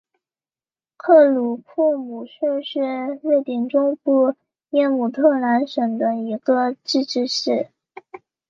克鲁库姆市是瑞典中部耶姆特兰省的一个自治市。